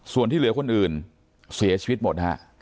ส่วนที่เหลือคนอื่นเสียชีวิตหมดฮะ